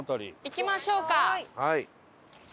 行きましょうか！